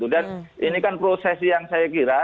dan ini kan proses yang saya kira